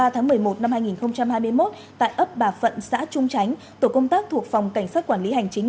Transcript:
ba tháng một mươi một năm hai nghìn hai mươi một tại ấp bà phận xã trung tránh tổ công tác thuộc phòng cảnh sát quản lý hành chính